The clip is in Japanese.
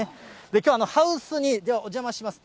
きょうはハウスに、では、お邪魔します。